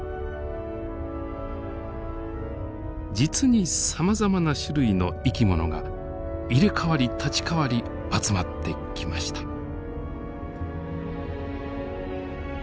実にさまざまな種類の生き物が入れ代わり立ち代わり集まってきました。